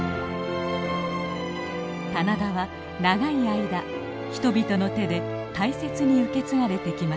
棚田は長い間人々の手で大切に受け継がれてきました。